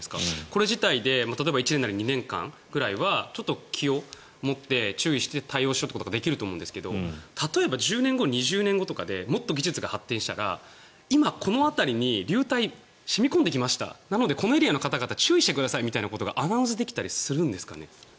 これ自体で例えば、１年なり２年間ぐらいは気を持って注意して対応しようということができると思うんですけど例えば１０年後、２０年ごとかでもっと技術が発展したら今、この辺りに流体、染み込んできましたなので、このエリアの方々注意してくださいみたいなことがアナウンスできたりするんですかね？